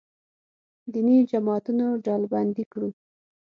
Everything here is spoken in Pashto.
دیني جماعتونه ډلبندي کړو.